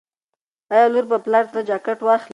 ایا لور به پلار ته جاکټ واخلي؟